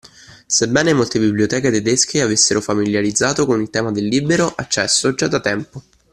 Sebbene molte biblioteche tedesche avessero familiarizzato con il tema del libero accesso già da tempo